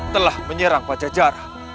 telah menyerang pajajara